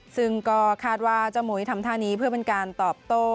ซึ่งก็คาดว่าเจ้าหมุยทำท่านี้เพื่อเป็นการตอบโต้